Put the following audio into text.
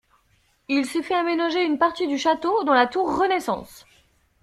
Il s'est fait aménager une partie du château, dans la tour renaissance.